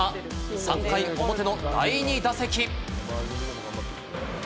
３回表の第２打席。